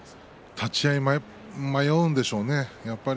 立ち合い迷うんでしょうね。